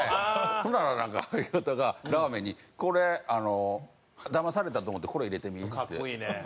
ほんならなんか相方がラーメンに「これだまされたと思ってこれ入れてみ」って言われて。